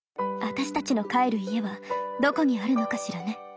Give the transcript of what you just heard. あたしたちの帰る家はどこにあるのかしらね。